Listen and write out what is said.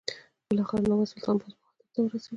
بالاخره نوبت سلطان باز بهادر ته ورسېد.